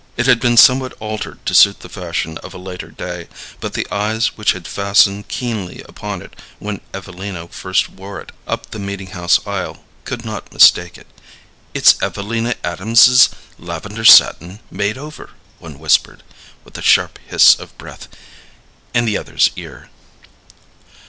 It had been somewhat altered to suit the fashion of a later day, but the eyes which had fastened keenly upon it when Evelina first wore it up the meeting house aisle could not mistake it. "It's Evelina Adams's lavender satin made over," one whispered, with a sharp hiss of breath, in the other's ear.